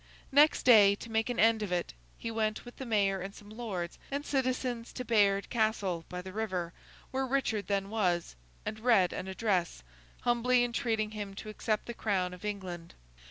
Next day, to make an end of it, he went with the mayor and some lords and citizens to Bayard Castle, by the river, where Richard then was, and read an address, humbly entreating him to accept the Crown of England.